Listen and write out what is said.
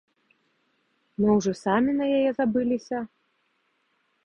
Мо ўжо самі на яе забыліся?